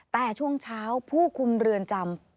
แต่ช่วงเช้าผู้คุมเรือนจำ